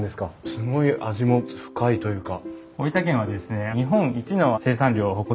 すごい味も深いというか。